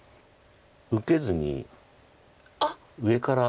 受けずに上から。